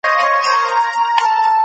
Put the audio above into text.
تا د خپل ملګري رازونه په زړه کي ساتل.